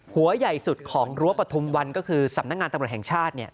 หัวใหญ่สุดของรั้วปฐุมวันก็คือสำนักงานตำรวจแห่งชาติ